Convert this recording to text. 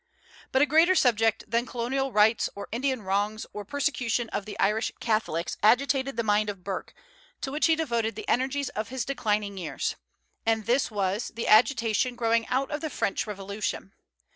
But a greater subject than colonial rights, or Indian wrongs, or persecution of the Irish Catholics agitated the mind of Burke, to which he devoted the energies of his declining years; and this was, the agitation growing out of the French Revolution.